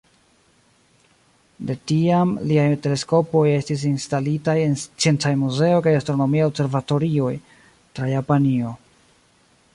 De tiam, liaj teleskopoj estis instalitaj en sciencaj muzeoj kaj astronomiaj observatorioj tra Japanio.